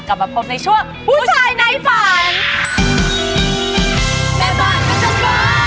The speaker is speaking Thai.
กลับมาพบในช่วงผู้ชายในฝัน